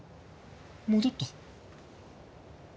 戻った？